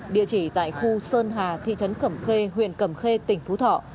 địa chỉ tại khu sơn hà thị trấn cẩm khê huyện cẩm khê tỉnh phú thọ